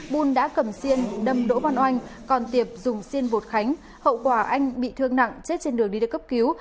buôn đã cầm xiên đâm đỗ văn oanh còn tiệp dùng xiên vột khánh hậu quả anh bị thương nặng chết trên đường đi được cấp cứu